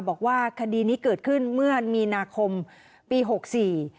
บอกว่าคดีนี้เกิดขึ้นเมื่อมีนาคมปีหกสี่